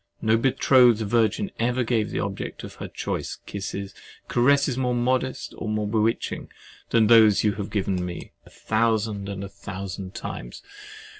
No betrothed virgin ever gave the object of her choice kisses, caresses more modest or more bewitching than those you have given me a thousand and a thousand times.